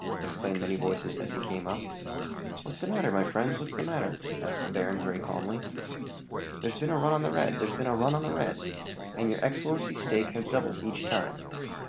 exclaimed many voices as he came up. "What's the matter, my friends? what's the matter?" asked the baron, very calmly. "There's been a run on the red! there's been a run on the red! and your excellency's stake has doubled each time.